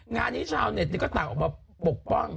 งานนี้ชาวเน็ตก็ต่างออกมาปกป้อง